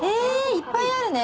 いっぱいあるね。